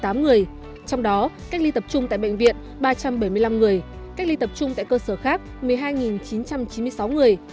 trong đó cách ly tập trung tại bệnh viện ba trăm bảy mươi năm người cách ly tập trung tại cơ sở khác một mươi hai chín trăm chín mươi sáu người